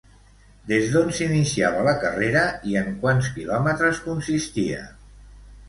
Des d'on s'iniciava la carrera i en quants quilòmetres consistia?